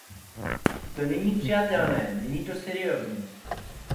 To není přijatelné, není to seriózní.